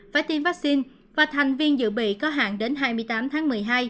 phải tiêm vaccine và thành viên dự bị có hạn đến hai mươi tám tháng một mươi hai